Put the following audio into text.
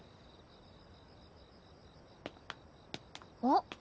あっ！